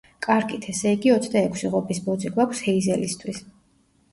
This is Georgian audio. კარგით, ესე იგი, ოცდაექვსი ღობის ბოძი გვაქვს ჰეიზელისთვის.